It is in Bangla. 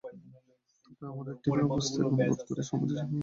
তবে আমাদের টিমের অবস্থা এখন বোধ করি সাম্প্রতিক সময়ের মধ্যে সবচেয়ে খারাপ।